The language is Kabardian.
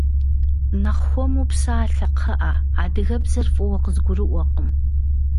Нэхъ хуэму псалъэ, кхъыӏэ, адыгэбзэр фӏыуэ къызгурыӏуэкъым.